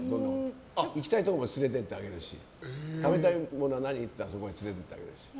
行きたいところも連れて行ってあげるし食べたいもの何って言ったら連れて行ってあげる。